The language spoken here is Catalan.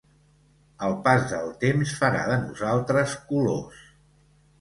El pas del temps farà de nosaltres colors.